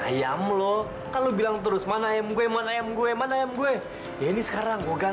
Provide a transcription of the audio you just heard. ayam lo kan lu bilang terus mana ayamku kemana menyes mana ayamku nya enes sekarang